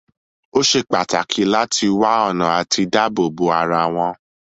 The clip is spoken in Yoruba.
Ó ṣe pàtàkì láti wá ọ̀nà àti dáábòbò ara wọn.